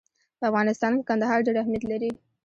په افغانستان کې کندهار ډېر اهمیت لري.